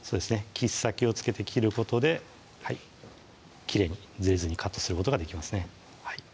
切っ先を付けて切ることできれいにずれずにカットすることができますね